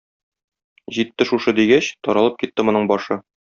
Җитте шушы дигәч, таралып китте моның башы.